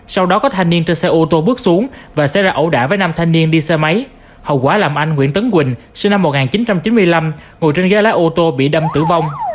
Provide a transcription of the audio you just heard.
sau đó có thanh niên trên xe ô tô bước xuống và xe ra ẩu đả với năm thanh niên đi xe máy hậu quả làm anh nguyễn tấn quỳnh sinh năm một nghìn chín trăm chín mươi năm ngồi trên ghé lái ô tô bị đâm tử vong